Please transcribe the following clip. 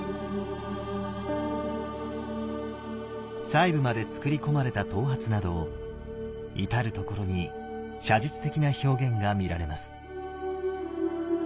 細部まで作り込まれた頭髪など至る所に写実的な表現が見られます。